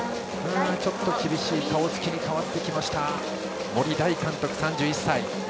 ちょっと厳しい顔つきに変わってきました森大監督、３１歳。